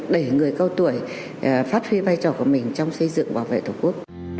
để người cao tuổi phát huy vai trò của mình trong xây dựng bảo vệ tổ quốc